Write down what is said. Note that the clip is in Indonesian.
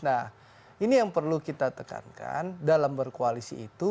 nah ini yang perlu kita tekankan dalam berkoalisi itu